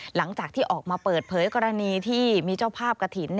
หลังจากที่ออกมาเปิดเผยกรณีที่มีเจ้าภาพกระถิ่น